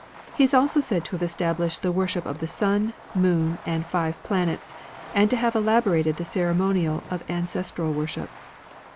He is also said to have established the worship of the sun, moon, and five planets, and to have elaborated the ceremonial of ancestral worship.